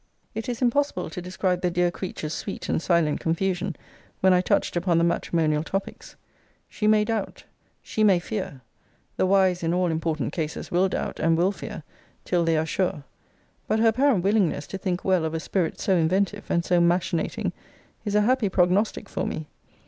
It is impossible to describe the dear creature's sweet and silent confusion, when I touched upon the matrimonial topics. She may doubt. She may fear. The wise in all important cases will doubt, and will fear, till they are sure. But her apparent willingness to think well of a spirit so inventive, and so machinating, is a happy prognostic for me.